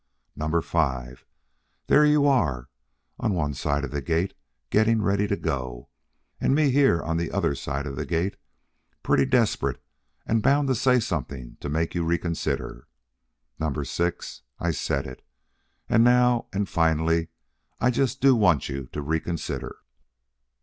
Number five, there you are on one side the gate getting ready to go, and me here on the other side the gate pretty desperate and bound to say something to make you reconsider. Number six, I said it. And now and finally, I just do want you to reconsider."